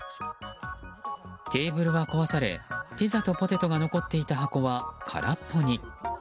テーブルは壊されピザとポテトが残っていた箱は空っぽに。